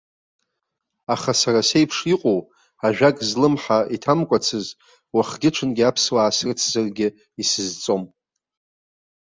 Аха сара сеиԥш иҟоу, ажәак злымҳа иҭамкәацыз, уахгьы ҽынгьы аԥсуаа срыцзаргьы исызҵом.